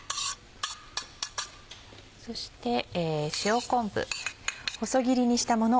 そして塩昆布。